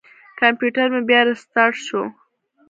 کمپیوټر مې بیا ریستارټ شو.